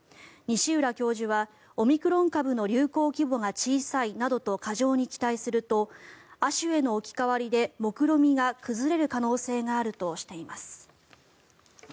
西浦教授はオミクロン株の流行規模が小さいなどと過剰に期待すると亜種への置き換わりで目論見が崩れる可能性があるとしています。